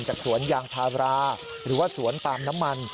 สวนยางพาราหรือว่าสวนปาล์มน้ำมัน